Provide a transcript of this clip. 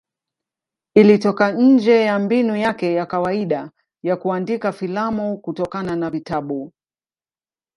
Ilitoka nje ya mbinu yake ya kawaida ya kuandika filamu kutokana na vitabu.